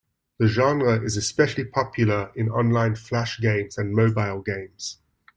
The genre is especially popular in online flash games and mobile games.